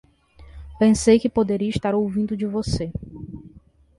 Pensei que poderia estar ouvindo de você.